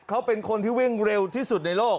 เขาเป็นคนที่วิ่งเร็วที่สุดในโลก